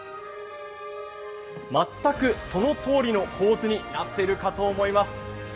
全くそのとおりの構図になっているかと思います。